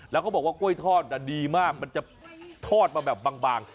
แล้วเขาบอกว่ากล้วยทอดดีมากมันจะทอดมาแบบบาง